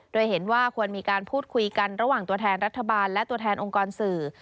โดยเห็นว่าควรมีการพูดคุยกันระหว่างตัวแทนรัฐบาลและตัวแทนองค์กรสื่อ